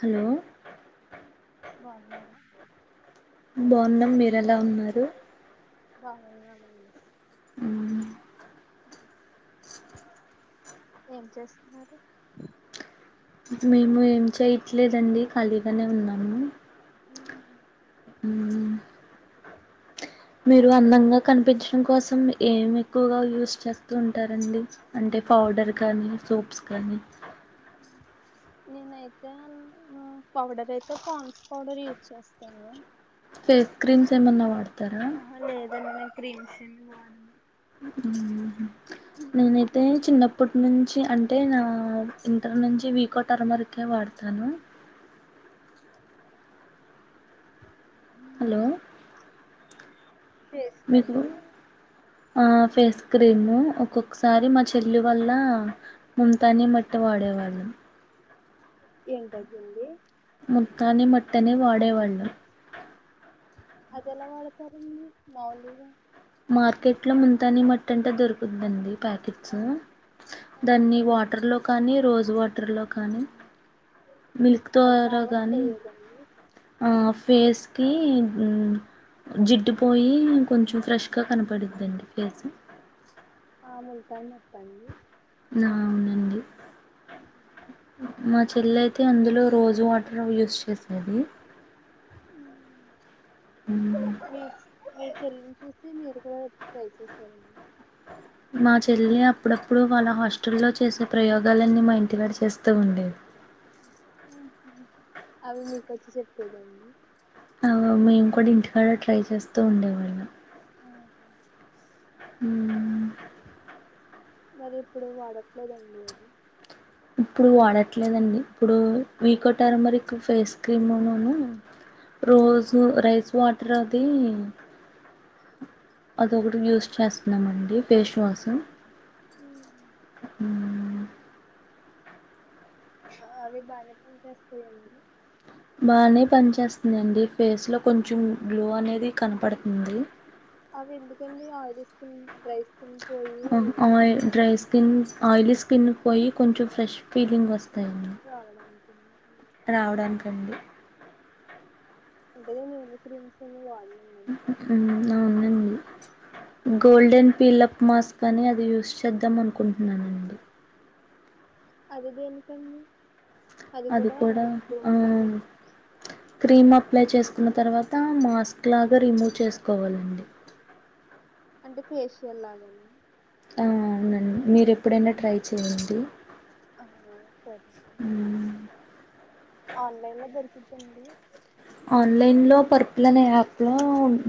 Hello బాగున్నారా బాగున్నం మీర ఎలా ఉన్నారు బాగున్నారా అండి మ్మ్. ఏం చేస్తున్నారు మేము ఏం చేయట్లేదండి ఖాళీగానే ఉన్నాము మూ మ్మ్ మీరు అందంగా కనిపించడం కోసం ఏం ఎక్కువగా యూస్ చేస్తూ ఉంటారండి అంటే పౌడర్ కానీ సోప్స్ కానీ నేనైతే పౌడర్ అయితే పాన్స్ పౌడర్ యూజ్ చేస్తాను ఫేస్ క్రీమ్స్ ఏమన్నా వాడతారా ప్రీ సిమ్ మ్మ్. చ అంటే నా ఇంటర్ నుంచి వీకో టర్మర్కే వాడతాను హలో పేస్ మీకు కండి ఆ ఫేస్ క్రీమ్ ఒక్కొక్క్ సారి మా చెల్లి వల్ల ముంతాని మట్ ట్ట వాడేవాళ్ళం ఏంటి అవుతుంది ముల్కని మట్ త్తనే వాడేవాళ్ళు అదేల వాడతారండి మాములుగా మార్కెట్ లో ముంతని మట్టి అంటే దొరుకుద్ అండి ప్యాకెట్స్ దాన్ని ఆహా వాటర్లో కానీ రోజు వాటర్లో కానీ మిల్క్ అది ద్వారా బాగా వర్క్ కానీ అయ్యేదండి అ ఫేస్కి మ్మ్ జిడ్డు పోయి కొంచెం ఫ్రెష్ ఇంకా కనపడుదండి ఫేసు ఆ ముల్తాన్ మట్ట అండి ఆ అవునండి మ చెల్ల అయితే అందులో రోజు వాటర్ యూస్ చేసుకోండి మీ మీ చెల్లి నీ చుస్ అే మీరు కూడా ట్రై చేశారండి మా చెల్లి అప్పుడప్పుడు వాళ్ళ హాస్టల్లో చేసే ప్రయోగాలన్నీ మా ఇంటి కాడ చేేస్తూ ఉండే హ్మ్ హు అవి మీకుచ్ చెప్ లేదండి ఆ మేము కూడా ఇంటికాడ ట్రై చేస్తాం తో ఉండేవాళ్ళ ము హ్మ్ మరి ఇప్పుడు వాడట్లేదండి అది ఇప్పుడు వాడట్లేదండి ఇప్పుడు వీకో టరమరిక్ ఫేస్ క్రీమ్ ను రోజు రైస్ వాట్ ఇ అది అదొటి యూస్ చేస్తున్నామ అండి ఫేస్ వాష్ ఆ మ్మ్ మ్మ్ అవి బాగానే పనిచేస్తాయంండి బానే పని చేేస్తుందిండి ఫేస్ లో కొంచెం గ్లో అనేది కనపడుతుంది అవి ఎందుకండి ఆయి ఇస్తు రైస్ అ డ్రైస్ స్కిన్ ఆయిలీ స్కిన్ పోయి కొంచెం ఫ్రెష్ ఫీలింగ్ వస్తాయి రావడానికినికి రావడానికండి అంటే నేమ క్రీమ్స్ అన్ని వడలే అవునండి గోల్డెన్ పీలప్ మాస్క్ అని అది చేద్దాం అనుకుంటున్నానండి అది దేనికండి అది కూడా గ్లో ఆ కోసమే క్రీమ్ అప్ ప్లై చేసుకున్న తర్వాత మాస్క్లాగా రిమూవ్ చేసుకోవాలండి అంటే ఫేషియల్ లాగానే ఆ అవునండి మీరు ఎప్పుడైనా ట్రై చేయండి ఆ సరే మ్మ్ ఆన్లైన్ లో దొరికిద్దండి ఆన్లైన్లో పర్పుల్ అనే యాప్లో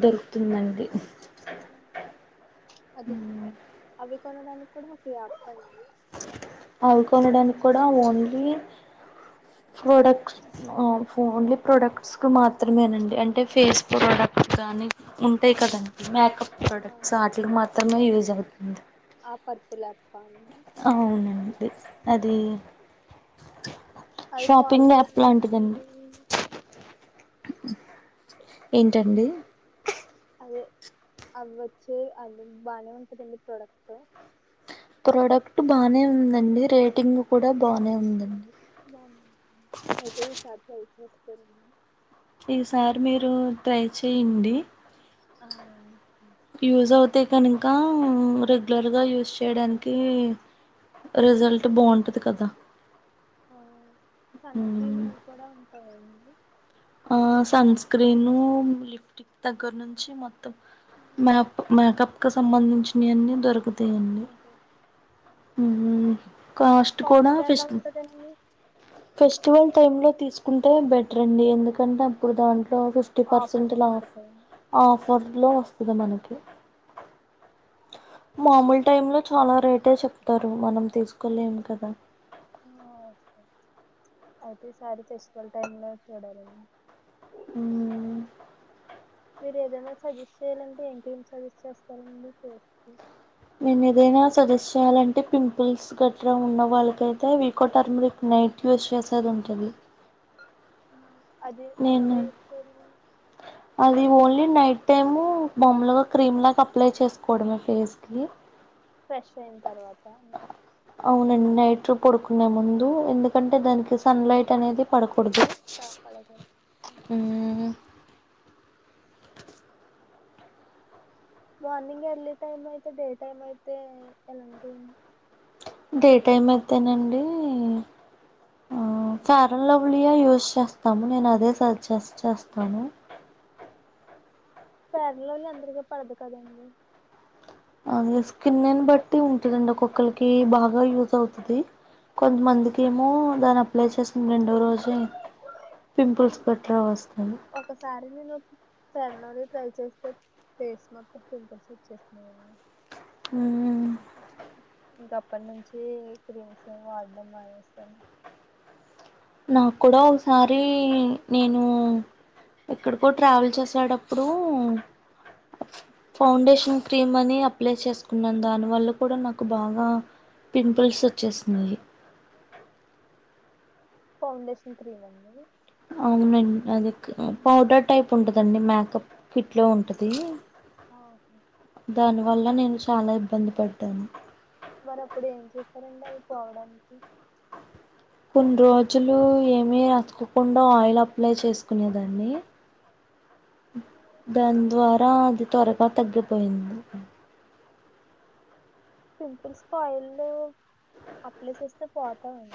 దొరుకుతుందండి అది అవి కొనడానికి కూడా ఒక యాప్ అండి అవు కొనడానికి కూడా ఓన్లీ ప్రోడక్ట్స్ ఓన్లీ ప్రోడక్ట్స్ కు మాత్రమేనండి అంటే ఫేస్ ప్రోడక్ట్ కానీ ఉంటాయి కదండి మేకప్ ఆ ప్రోడక్ట్స్ వాటిలు మాత్రమే యూజ్ అవుతాయి ఉంధ ఆ పర్పులా అవునండి అది అది షాపింగ్ క్వాలిటీ యాప్ అవి ఎంత లాంటిదండి ఉంటాయండి ఏంటండి అదే అవి వచ్చే అది బాగానే ఉంటుందండి ప్రోడక్ట్ ప్రోడక్ట్ బానే ఉందండి రేటింగ్ కూడా బానే ఉందండి బగుంటుండి అయ్తే ఇసారికి సాధయితేస్తడి ఈసారి మీరు ట్రై చేయ అండీ అ అవును యూజ్ అవుతే కనుక రెగ్యులర్గా యూజ్ చేయడానికి రిజల్ట్ బాగుంటుంది కదా అ ఓ సన్‌స్క్రీన్ మ్మ్ అవి కూడా ఉంటాయిడి మ్మ్ ఆ సన్ స్క్రీన్ లిఫ్టిక్ దగ్గర నుంచి మొత్తం మ మ కక సంబంధ చుస్నాయి అని అంతే అండి ఉంటాయి కాస్ట్ కూడా ఎలా ఫిష్ట ఉంటదండి ఫెస్టివల్ టైమ్ంలో తీసుకుంటే బెటర్ అండి ఎందుక తపుడు దాంట్లో ఫిఫ్టీ పర్సెంట్ ఆఫర్స్ పడతాయి ఆఫర్ లో వ ధు మనకి మామూలు టైమ్ లో చాలా రేటే చెప్తారు మనం ఆ తీసుకోలేం కదా ఆ, ఓకే అయితే ఈసారి ఫెస్టివల్ టైమ్ లో చూడాల ఉమ్ ఉ మీరు ఏదమనా సజెస్ట్ చేయ్యాలంటే ఇంకేమి సజెస్ట్ చేస్తార నేను ఏదైనా సదస్యాలంటే పింపుల్స్ గట్రా ఉన్న వాళ్ళకైతే అవికోటర్మిరిక్ నైట్ యూజ్ చేసేది ఉంటుంది ఉమ్ అది అదలా ఇచ్చారు అది ఓన్లీ నైట్ టైము బొమ్మలుగా క్రీమ్ లాగా అప్లై చేసుకోవడం ఫేస్ కి ఫ్రెష్ అయిన తర్వాత అవునండి నైట్ పడుకునేముందు దు ఎందుకంటే దానికి సన్ లైట్ అనేది పడుకు కుడాదు పడకూడదు ఉమ్ మార్నింగ్ ఎర్లీ టైం అయితే డే టైం అయితే ఎలాంటిడి డే టైం అయితేనండి ఫారన్ లవ్లియా యూజ్ చేస్తాము నేను అదే సజ్జెస్ చేస్తాను పేర్లోళ్ళ అందరిక పడదు కదండి అది స్కిన్ నేను బట్టి ఉంటుదండి ఒ ఒకొక్కరికి బాగా యూజ అవుతుది కొంతమందికి ఏమో దాన్ని అప్లై చేసం రెండో రోజే పింపుల్స్ గట్రా వస్తాయి ఒకసారి నేను స అలానే ట్రై చేస్తే ఫేస్ మొత్తం పింపుల్స్ వచ్చేస్తున్నాయి మ్మ్ [inaudible] అప్పటి నుంచి క్రీమ్స్ ఏమి వాడడం మానేస్తాను నాకు కూడా ఒకసారి నేను ఎక్కడికో ట్రావెల్ చేసేటప్పుడు ఫౌండేషన్ క్రీమ్ అని అప్లే చేసుకున్నాను దానివల్ల కూడా నాకు బాగా పింపుల్స్ వచ్చేస్తునాయి ఫౌండేషన్ క్రీమ్ అండి అవునండి అది పౌడర్ టైప్ ఉంటదండి మ్యాక్ [inaudible] ఇంట్లో ఉంటది దా వల్ల నేను చాలా ఇబ్బంది పడ్డాను మరి అప్పుడు ఏం చేస్తారంండి అవి పోవడానికి కొన్ని రోజులు ఏమీ రాచ్చకోకుండా ఆయిల్ అప్లై చేసుకునేదాన్ని దాని ద్వారా అది త్వరగా తగ్గిపోయింది పింపుల్స్ కా ఆయిల్ అప్లై చేస్తే పోతాయి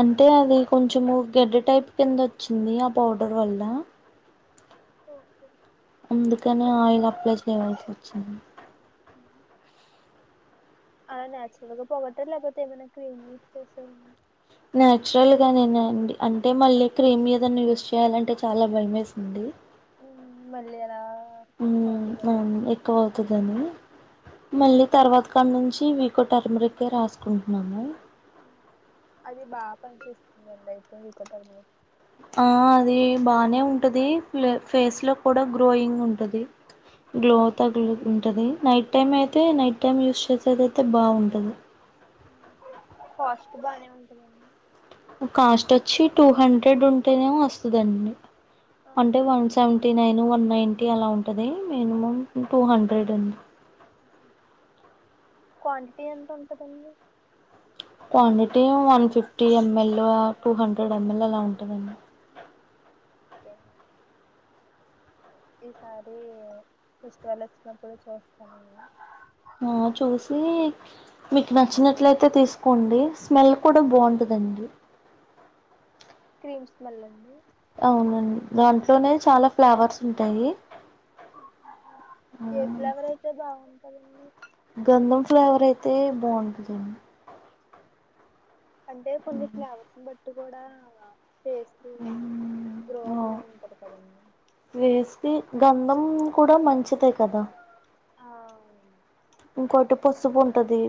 అంటే అది కొంచెము గడ్డ టైప్ కింద వచ్చింది ఆ పౌడర్ వల్ల ఓహో అందుకనే ఆయిల్ అప్లై చేయవల్సి వచ్చింది ఆ న్యాచురల్ గా పోగటారు లేకపోతే ఏమైనా క్రీమ్ యూస్ చేస్తారా నాచురల్గా నేనాండి అంటే మళ్ళీ క్రీమ్ ఏదైనా యూస్ చేయాలంటే చాలా భయ వేసింది మనా ఎక్కువ అవుతాది మళ్ళీ తర్వాత కాడ నుంచి వీకో టర్మరికే రాసుకుంటున్నాను అది బాగా పనిచేస్తుందండి అయితే మీకు ఆ అది బానే ఉంటది ఫేస్ లో కూడా గ్లోయింగ్ ఉంటది గ్లో తగు ఉంటది నైట్ టైం అయితే నైట్ టైమ్ యూస్ చేసేది అంతే బాగుంటది కాస్ట్ బానే ఉంటందండి కాస్ట్ వచ్చి టూ హండ్రెడ్ ఉంటేనేమో వస్తుందండి అంటే one seventy nine one ninety అలా ఉంటుంది మినిమం టూ హండ్రెడ్ ఉ క్వాంటిటీ ఎంత ఉంటుందండి quantity one fifty ML two hundred ML అలా ఉంటుందండి [inaudible] ఈసారి ఫెస్టివల్ వచ్చినప్పుడు చూస్తాను ఆ చూసి మీకు నచ్చినట్లయితే తీసుకోండి స్మెల్ కూడా బాగుంటదండి మ్ స్మెల్ అండి అవునండి దాంట్లోనే చాలా ఫ్లవర్స్ ఉంటాయి ఆ, ఏ ఫ్లవరైతే బావన్ గంధం ఫ్లేవర్ అయితే బాగుంటదండి అంటే కొన్ని ఫ్లావర్స్ బట్టి అటు కూడా టేస్ట్ ఉ గ్రో ఓ అవడం ఉంటది కదండి పేస్కి గంధం కూడా మంచిదే కదా ఆ ఇంకోటి పసుపుంటది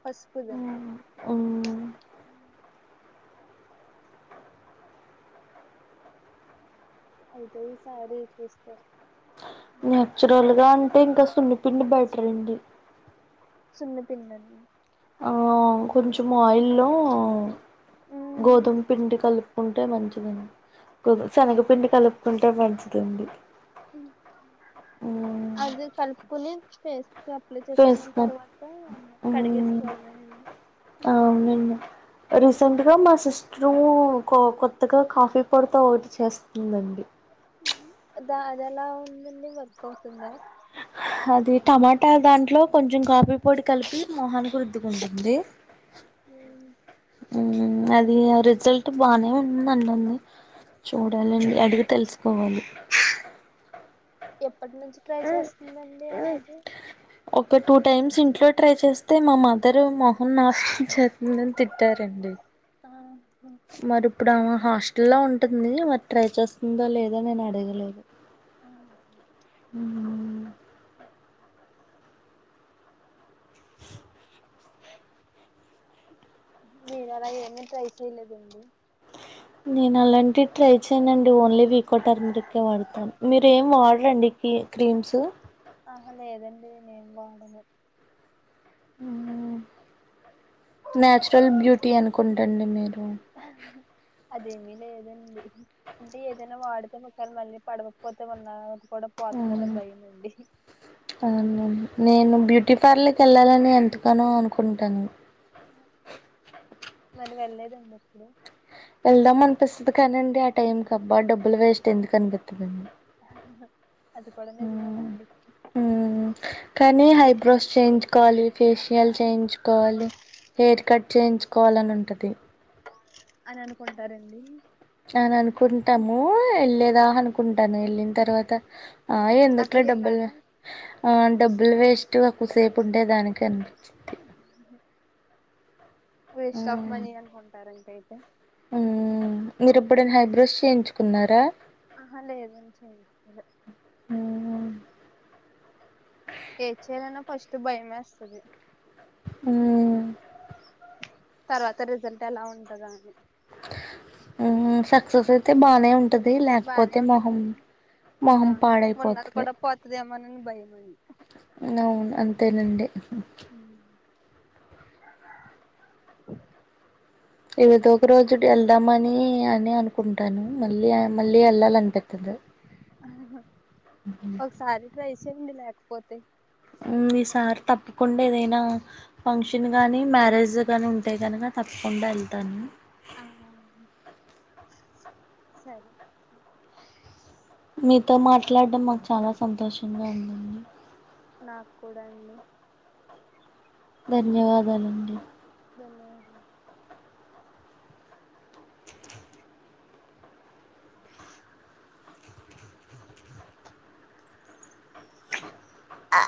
పసుపు దండి అయితే ఈ సారి చూస్తా నచురల్ గా అంటే ఇంకా సున్ని పిండి బెటర్ అండి సున్న పిండి అండి ఆ కొంచెం ఆయిల్లో గోధుమ పిండి కలుపుకుంటే మంచిదండి శనగపిండి కలుపుకుంటే మంచిదండి మ్మ్ అది కలుపుకుని ఫేస్ అప్లై ఫేస్ చేసుకున్న కు తర్వాత మ్మ్ కడిగేసుకోవడమే అండి అవునండి రీసెంట్గా మా సిస్ [inaudible] కో కొత్తగా కాఫీ పొడితో ఒకటి చేస్తుందండి దా అది ఎలా ఉందండి వర్క్ అవుతుందా అది టమాటా దాంట్లో కొంచెం కాఫీ పొడి కలిపి మోహానికి రుద్దుకుంటుంది హు ఉ అది రిజల్ట్ బానే ఉండండి అది చూడాలండి అడిగి తెలుసుకోవాలి ప్పటి నుంచి ట్రై చేస్తుందండి అది ఒక టూ టైమ్స్ ఇంట్లో ట్రై చేస్ అయితే మా మదరు మొహన్ నాశనం చేసిందని తిట్టారండి ఆ, మరి ఇప్పుడు ఆమే హాస్టల్ లో ఉంటుంది మరి ట్రై చేస్తుందో లేదో నేను అడగలేదు ఆ. ఉ ఊ [inaudible] మీరు అలా ఏంది ట్రై చేయలేదండి నేను అలాంటివి ట్రై చేయనండి ఓన్లీ వీకో టర్మరిక్ కె వాడతాను మీరు ఏం వాడరండి కీ క్రీమ్స్ ఆహ లేదండి నేనేం వాడను ఊ నేచురల్ బ్యూటీ అనుకుంటండి మీరు అదేమీ లేదండి అంటే ఏదైనా వాడితే ముఖానికి మళ్ళీ పడకపోతే మళ్ళా అవును అవును నేను బ్యూటీ పార్లర్కి వెళ్ళాలం ఎంతగానో అనుకుంటాను మరి వెళ్ళలేదండి అసలు వెళ్దాం అనిపిస్తుంది కానిండి ఆ టైం కి అబ్బా డబ్బులు వేస్ట్ ఎందుకు కనిపిత్తదిండి అది కూడా ఉ నిజమేనండి ఉ కానీ హైబ్రోస్ చేయించుకోవాలి ఫేషియల్ చేయించుకోవాలి హెయిర్ కట్ చేయించుకోవాలని ఉంటది అని అనుకుంటారండి అని అనుకుంటాము వెళ్ళలేదా అనుకు కుంటాను వెళ్ళిన తర్వాత ఆ ఎందుకులే అక్కడికి వెళ్ళాక డబ్బులు ఆ డబ్బులు వేస్ట్ కూసేపు ఉండే దానికి అనిపిచ్చిద్ది వేస్ట్ ఆఫ్ మనీ అనుకుంటారు అంతే ఉ మీరెప్పుడైనా హైబ్రోస్ చేయించుకున్నారా ఆహా లేదని చెయిచ్చలే ఏ చేయాలన్నా ఫస్ట్ భయమే వేస్తది ఆ తర్వాత రిజల్ట్ ఎలా ఉంటదా అని ే బానే ఉంటది బానే లేకపోతే ఉం మొహం మొహం పాడైపోతది భయంమండి అవును అంతేనండి ఏదో ఒక రోజు వెళ్దామని అని అనుకుంటాను మళ్ళీ మళ్ళీ వెళ్ళాలనిపితది ఒక సారి ట్రైచేసి ంది లేకపోతే ఈసారి తప్పకుండా ఏదైనా ఫంక్షన్ గానీ మ్యారేజ్ గాని ఉంటే కనుక తప్పకుండా వెళ్తాను ఆ సరే మీతో మాట్లాడడం మాకు చాలా సంతోషంగా ఉందండి నాకు కూడా అండి ధన్యవాదాలండి ధన్యవాదాలు ఆ